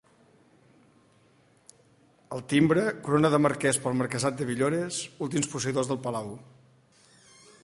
El timbre, corona de marqués pel marquesat de Villores, últims posseïdors del palau.